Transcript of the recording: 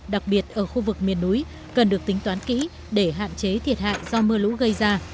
đặc biệt ở khu vực miền núi cần được tính toán kỹ để hạn chế thiệt hại do mưa lũ gây ra